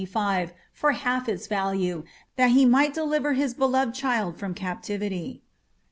foi half ils value, that hn might deliver hia b» lovetl child from coptiviiy.